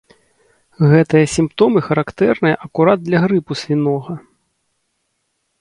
Гэтыя сімптомы характэрныя акурат для грыпу свінога.